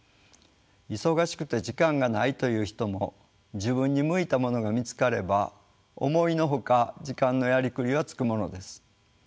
忙しくて時間がないという人も自分に向いたものが見つかれば思いの外時間のやりくりはつくものです。